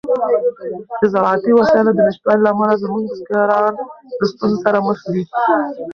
د زراعتي وسایلو د نشتوالي له امله زموږ بزګران له ستونزو سره مخ دي.